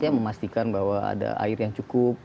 ya memastikan bahwa ada air yang cukup